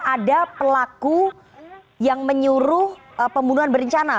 ada pelaku yang menyuruh pembunuhan berencana